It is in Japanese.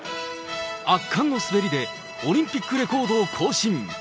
圧巻の滑りで、オリンピックレコードを更新。